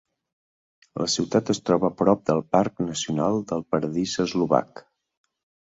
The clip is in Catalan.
La ciutat es troba prop del Parc Nacional del Paradís Eslovac.